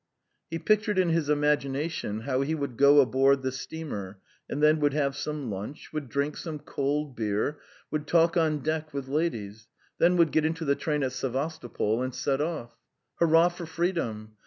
He pictured in his imagination how he would go aboard the steamer and then would have some lunch, would drink some cold beer, would talk on deck with ladies, then would get into the train at Sevastopol and set off. Hurrah for freedom!